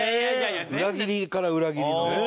裏切りから裏切りのね。